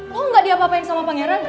lo gak diapapain sama pangeran